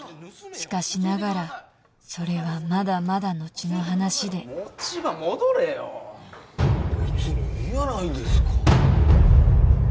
しかしながらそれはまだまだ後の話で持ち場戻れよ別にいいやないですか